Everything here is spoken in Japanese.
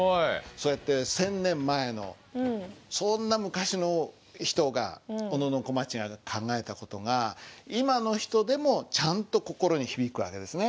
そうやって１，０００年前のそんな昔の人が小野小町が考えた事が今の人でもちゃんと心に響く訳ですね。